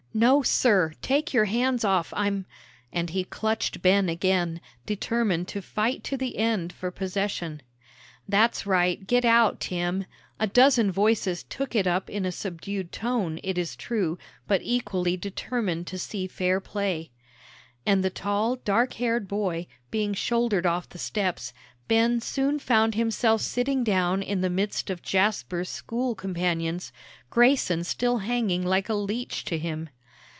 "No, sir, take your hands off, I'm " and he clutched Ben again, determined to fight to the end for possession. "That's right. Get out, Tim," a dozen voices took it up in a subdued tone, it is true, but equally determined to see fair play. And the tall, dark haired boy, being shouldered off the steps, Ben soon found himself sitting down in the midst of Jasper's school companions, Grayson still hanging like a leech to him.